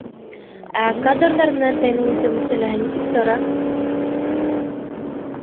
— Ә кадрҙар менән тәьмин итеү мәсьәләһе нисек тора?